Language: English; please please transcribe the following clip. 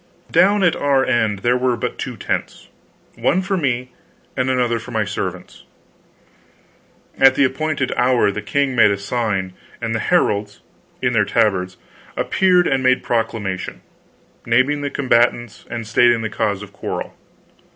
Down at our end there were but two tents; one for me, and another for my servants. At the appointed hour the king made a sign, and the heralds, in their tabards, appeared and made proclamation, naming the combatants and stating the cause of quarrel.